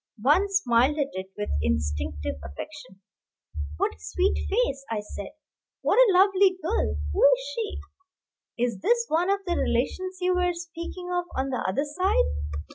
One smiled at it with instinctive affection. "What a sweet face!" I said. "What a lovely girl! Who is she? Is this one of the relations you were speaking of on the other side?"